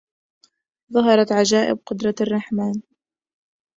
ظهرت عجائب قدرة الرحمن